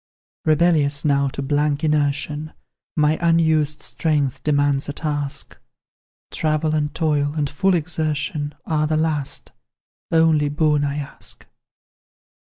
"Rebellious now to blank inertion, My unused strength demands a task; Travel, and toil, and full exertion, Are the last, only boon I ask.